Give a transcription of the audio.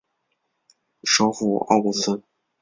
首府奥古兹。